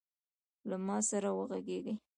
له ما سره وغږیږﺉ .